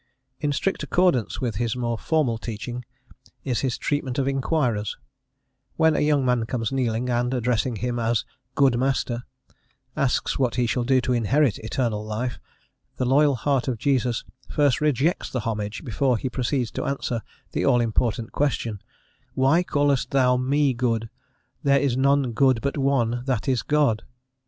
In strict accordance with his more formal teaching is his treatment of inquirers: when a young man comes kneeling, and, addressing him as "Good Master," asks what he shall do to inherit eternal life, the loyal heart of Jesus first rejects the homage, before he proceeds to answer the all important question: "Why callest thou me good: there is none good but one, that is, God."